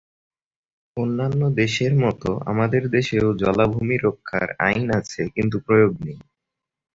অন্যান্য দেশের মতো আমাদের দেশেও জলাভূমি রক্ষার আইন আছে কিন্তু প্রয়োগ নেই।